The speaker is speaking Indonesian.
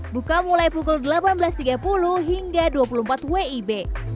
buka mulai pukul delapan belas tiga puluh hingga dua puluh empat wib